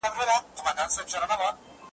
چي دا کلونه راته وايي نن سبا سمېږي `